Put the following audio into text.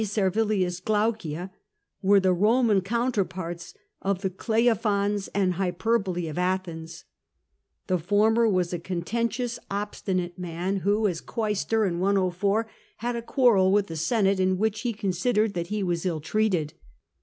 Servilius Glaucia, were the Roman counterparts of the Cleophons and Hyperboli of Athens. The former was a contentious, obstinate man, SATURNINUS AND HIS LAWS 99 wlio (as quaestor in 104) had a quarrel with the Senate, in which he considered that he was ill treated.